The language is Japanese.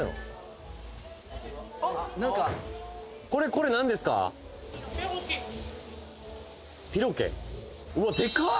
これうわでかっ！